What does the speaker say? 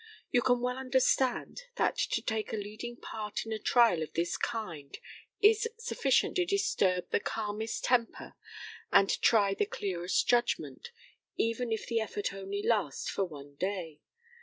You can well understand that to take a leading part in a trial of this kind is sufficient to disturb the calmest temper, and try the clearest judgment, even if the effort only last for one day.